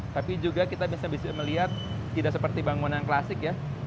tapi juga kita bisa melihat tidak seperti bangunan klasik ya